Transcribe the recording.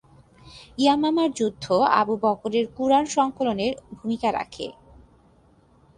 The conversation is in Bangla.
ইয়ামামার যুদ্ধ আবু বকরের কুরআন সংকলনে ভূমিকা রাখে।